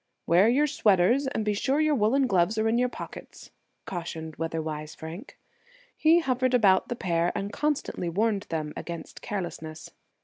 "Wear your sweaters, and be sure your woolen gloves are in your pockets," cautioned weather wise Frank. He hovered about the pair, and constantly warned them against carelessness.